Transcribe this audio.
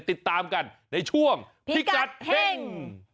ติดตามกันในช่วงพิกัดเฮ่ง